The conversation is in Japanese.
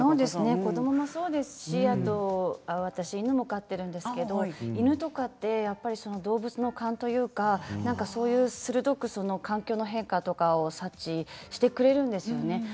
子どももそうですし私、犬も飼っているんですけど犬とかって動物の勘というか鋭く環境の変化とかを察知してくれるんですよね。